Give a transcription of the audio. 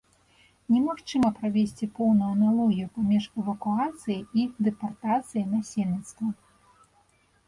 Немагчыма правесці поўную аналогію паміж эвакуацыяй і дэпартацыяй насельніцтва.